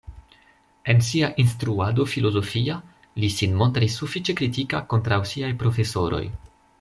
En sia instruado filozofia li sin montris sufiĉe kritika kontraŭ siaj profesoroj.